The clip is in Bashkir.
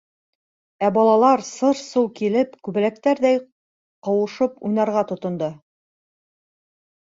Ә балалар, сыр-сыу килеп, күбәләктәрҙәй ҡыуышып уйнарға тотондо.